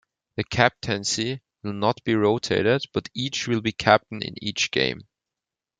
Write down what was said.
The captaincy will not be rotated, but each will be captain in each game.